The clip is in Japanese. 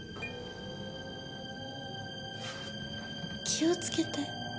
気を付けて。